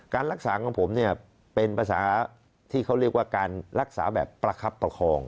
รักษาของผมเนี่ยเป็นภาษาที่เขาเรียกว่าการรักษาแบบประคับประคอง